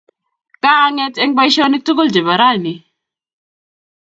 Kaang'et eng' poisyonik tukul che po raini